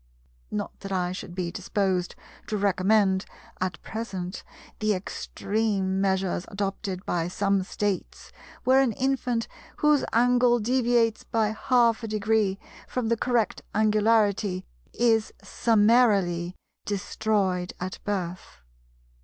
Not that I should be disposed to recommend (at present) the extreme measures adopted by some States, where an infant whose angle deviates by half a degree from the correct angularity is summarily destroyed at birth.